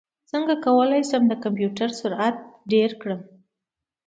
څنګه کولی شم د کمپیوټر سرعت ډېر کړم